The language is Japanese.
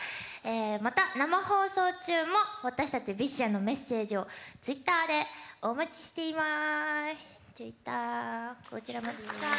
また生放送中も私たちＢｉＳＨへのメッセージをツイッターでお待ちしています！